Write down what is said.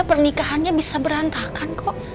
pernikahannya bisa berantakan kok